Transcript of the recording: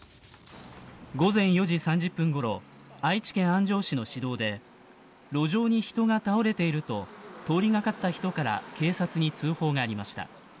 午前４時３０分ごろ愛知県安城市の市道で路上に人が倒れていると通りがかった人から警察に通報がありました。